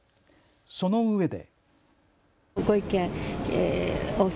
そのうえで。